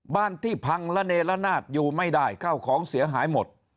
บ้านที่พังระเนละนาดอยู่ไม่ได้เข้าของเสียหายหมด